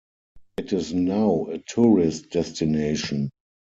It is now a tourist destination.